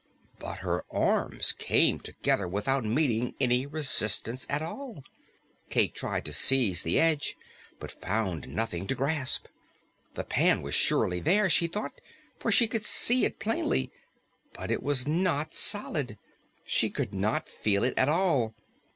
But her arms came together without meeting any resistance at all. Cayke tried to seize the edge, but found nothing to grasp. The pan was surely there, she thought, for she could see it plainly; but it was not solid; she could not feel it at all.